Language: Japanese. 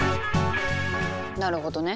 なるほどね。